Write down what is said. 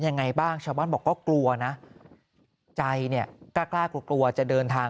ยังไงบ้างชาวบ้านบอกก็กลัวนะใจเนี่ยกล้ากลัวกลัวจะเดินทาง